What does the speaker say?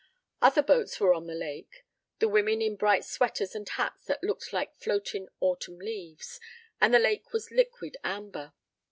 Other boats were on the lake, the women in bright sweaters and hats that looked like floating autumn leaves, and the lake was liquid amber.